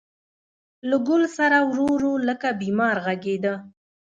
له ګل ســـــــره ورو، ورو لکه بیمار غـــــــږېده